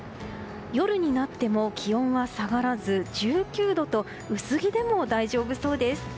夜になっても気温は下がらず１９度と薄着でも大丈夫そうです。